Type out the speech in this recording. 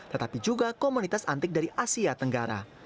tetapi juga komunitas antik dari asia tenggara